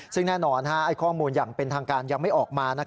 ซึ่งแน่นอนข้อมูลอย่างเป็นทางการยังไม่ออกมา